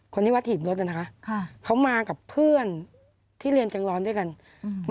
คนที่วัดหีบรถน่ะนะคะค่ะเขามากับเพื่อนที่เรียนแกงร้อนด้วยกันอืม